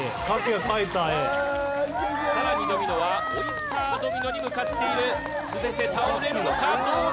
さらにドミノはオイスタードミノに向かっているすべて倒せるのかどうだ？